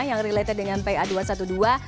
yang related dengan pa dua ratus dua belas